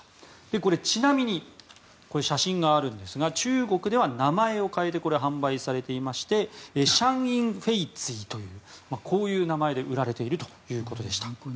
これ、ちなみに写真があるんですが中国では名前を変えて販売されていましてシャンインフェイツィというこういう名前で売られているということでした。